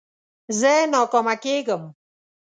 زه ناکامه کېږم.